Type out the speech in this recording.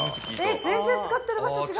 全然使ってる場所違う。